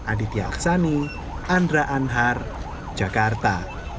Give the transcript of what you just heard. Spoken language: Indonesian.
aditya aksani andra anhar jakarta